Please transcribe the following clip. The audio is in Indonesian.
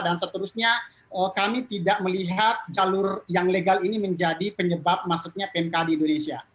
dan seterusnya kami tidak melihat jalur yang legal ini menjadi penyebab maksudnya pmk di indonesia